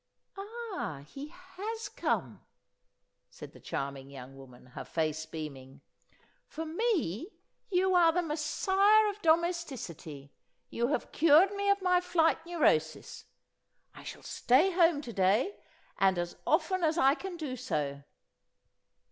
"Ah, he has come," said the charming young woman, her face beaming. "For me you are the Messiah of domesticity! You have cured me of my flight neurosis. I shall stay home to day, and as often as I can do so."